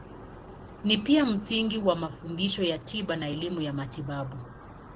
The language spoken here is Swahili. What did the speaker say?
Ni pia msingi wa mafundisho ya tiba na elimu ya matibabu.